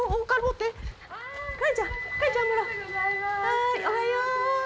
はいおはよう。